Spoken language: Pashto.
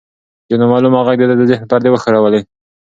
یو نامعلومه غږ د ده د ذهن پردې وښورولې.